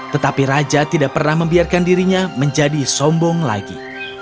tetapi raja tidak pernah membiarkan dirinya menjadi sombong lagi